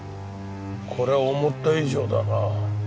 これは思った以上だな。